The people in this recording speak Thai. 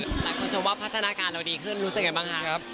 หลายคนชมว่าพัฒนาการเราดีขึ้นรู้สึกไงบ้างคะ